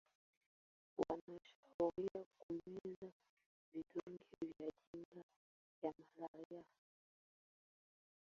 wanashauriwa kumeza vidonge vya kinga ya malaria